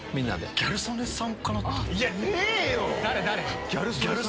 ギャル曽根さん。